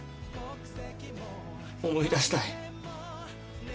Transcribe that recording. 思い出したい。